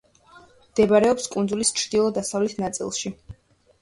მდებარეობს კუნძულის ჩრდილო-დასავლეთ ნაწილში.